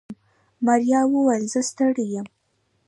ماريا وويل زه ستړې يم.